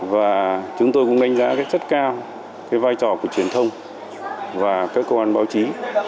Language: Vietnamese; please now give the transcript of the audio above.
và chúng tôi cũng đánh giá rất cao vai trò của truyền thông và các cơ quan báo chí